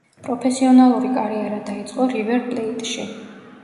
პროფესიონალური კარიერა დაიწყო „რივერ პლეიტში“.